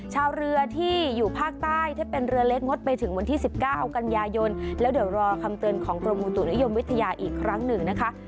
ชาวเรือที่อยู่ภาคใต้ถ้าเป็นเรือเล็กงดไปถึงวันที่๑๙กันยายนแล้วเดี๋ยวรอคำเตือนของกรมอุตุนิยมวิทยาอีกครั้งหนึ่งนะคะ